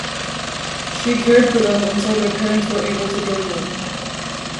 She cared for them until their parents were able to join them.